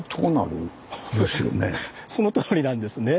そのとおりなんですね。